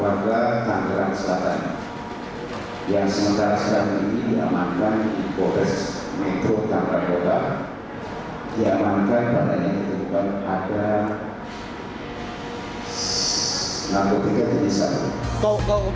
warga tanggerang selatan yang sementara sekarang ini diamankan di pores metro tanggerang kota